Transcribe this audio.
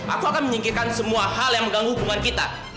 aku akan menyingkirkan semua hal yang mengganggu hubungan kita